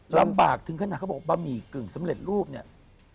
ลำบากถึงขนาดเขาบอกบะหมี่กึ่งสำเร็จรูปเนี่ย